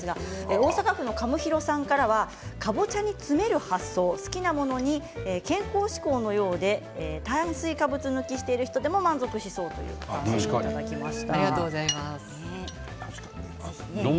大阪府の方からはかぼちゃに詰める発想好きなものに健康志向などで炭水化物抜きをしている人でも満足しそうといただきました。